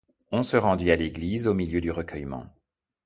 On se rendit à l’église au milieu du recueillement.